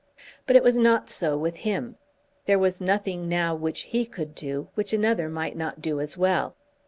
But it was not so with him. There was nothing now which he could do, which another might not do as well.